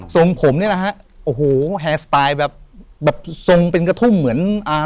ทรงผมเนี่ยนะฮะโอ้โหแฮร์สไตล์แบบแบบทรงเป็นกระทุ่มเหมือนอ่า